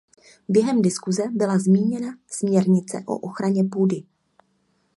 Během diskuse byla zmíněna směrnice o ochraně půdy.